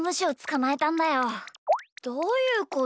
どういうこと？